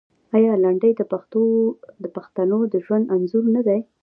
آیا لنډۍ د پښتنو د ژوند انځور نه دی؟